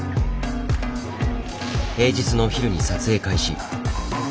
平日のお昼に撮影開始。